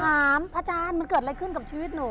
พระอาจารย์มันเกิดอะไรขึ้นกับชีวิตหนู